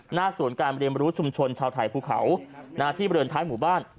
หน้าสวนการบริเมรุชุมชนชาวไทยภูเขานะฮะที่บริเวณท้ายหมู่บ้าน